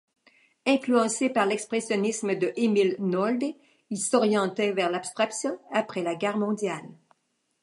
Influencé par l'expressionnisme de Emil Nolde, il s'orientait vers l'abstraction après la guerre mondiale.